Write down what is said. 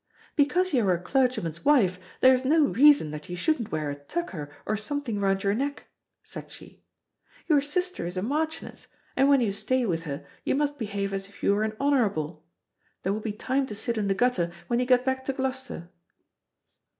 "Because you are a clergy man's wife, there is no reason that you shouldn't wear a tucker or something round your neck," said she. "Your sister is a marchioness, and when you stay with her you must behave as if you were an honourable. There will be time to sit in the gutter when you get back to Gloucester."